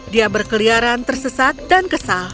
dia berkeliaran tersesat dan kesal